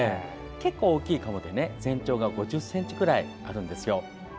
結構大きいカモで全長が５０ｃｍぐらいあるんです。